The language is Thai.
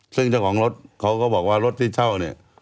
ซึ่งเจ้าของรถเขาก็บอกว่ารถที่เช่าเนี่ย